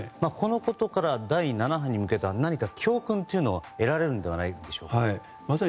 このことから第７波に向けた何か教訓が得られるのではないでしょうか。